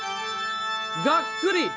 がっくり。